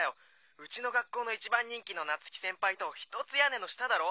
うちの学校の一番人気の夏希先輩とひとつ屋根の下だろ？